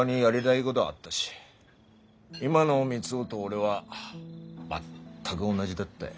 今の三生と俺は全く同じだったよ。